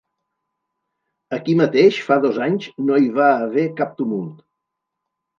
Aquí mateix fa dos anys no hi va haver cap tumult.